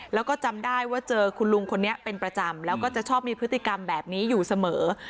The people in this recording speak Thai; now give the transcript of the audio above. แล้วก็จำได้ว่าเจอคุณลุงคนนี้เป็นประจำแล้วก็จะชอบมีพฤติกรรมแบบนี้อยู่เสมอ